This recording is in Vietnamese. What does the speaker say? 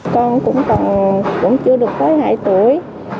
con cũng chưa được tới hai tuổi